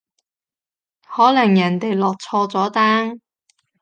可能人哋落錯咗單